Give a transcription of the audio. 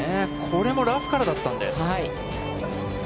これもラフからだったんです。